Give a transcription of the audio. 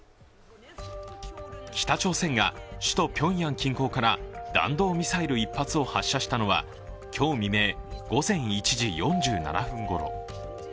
北朝鮮が首都ピョンヤン近郊から弾道ミサイル１発を発射したのは今日未明午前１時４７分ごろ。